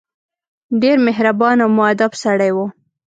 ډېر مهربان او موءدب سړی وو.